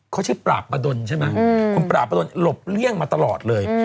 เขาใช้ปราบประดนใช่ไหมคุณปราบประดนหลบเลี่ยงมาตลอดเลย